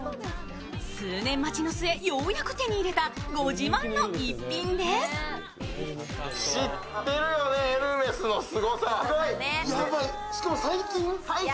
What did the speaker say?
数年待ちの末、ようやく手に入れたご自慢の逸品です。